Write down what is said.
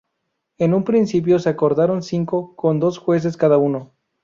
En un principio se acordaron cinco, con dos jueces cada uno.